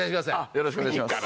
よろしくお願いします。